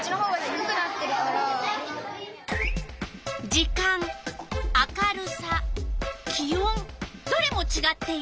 時間明るさ気温どれもちがっている。